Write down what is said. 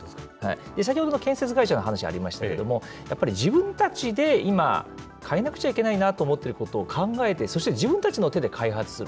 先ほどの建設会社の話ありましたけれども、やっぱり自分たちで今、変えなくちゃいけないなと思っていることを考えて、そして自分たちの手で開発する。